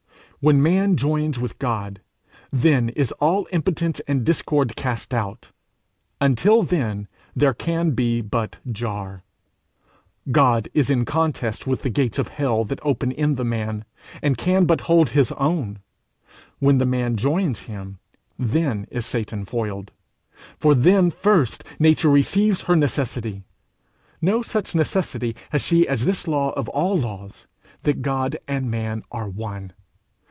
When man joins with God, then is all impotence and discord cast out. Until then, there can be but jar; God is in contest with the gates of hell that open in the man, and can but hold his own; when the man joins him, then is Satan foiled. For then first nature receives her necessity: no such necessity has she as this law of all laws that God and man are one.